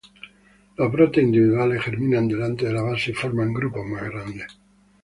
Los brotes individuales germinan delante de la base y forman grupos más grandes.